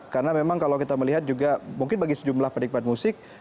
karena memang kalau kita melihat juga mungkin bagi sejumlah penikmat musik